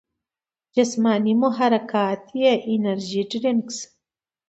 جسماني محرکات ئې انرجي ډرنکس ،